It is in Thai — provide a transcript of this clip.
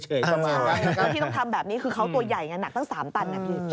แล้วที่ต้องทำแบบนี้คือเขาตัวใหญ่อย่างนั้นตั้ง๓ตัน